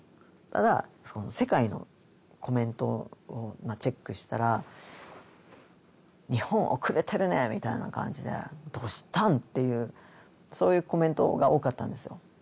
ただ世界のコメントをまあチェックしたら「日本遅れてるね」みたいな感じで「どうしたん？」っていうそういうコメントが多かったんですよ